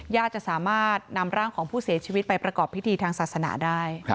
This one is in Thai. จะสามารถนำร่างของผู้เสียชีวิตไปประกอบพิธีทางศาสนาได้